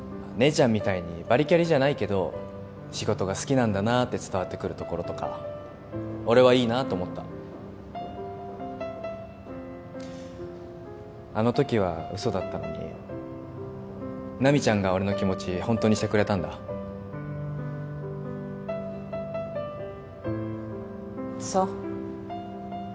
姉ちゃんみたいにバリキャリじゃないけど仕事が好きなんだなって伝わってくるところとか俺はいいなと思ったあの時は嘘だったのに奈未ちゃんが俺の気持ちホントにしてくれたんだそう